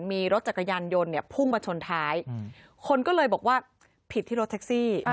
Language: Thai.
มีรถจักรยานยนต์เนี่ยพุ่งมาชนท้ายคนก็เลยบอกว่าผิดที่รถแท็กซี่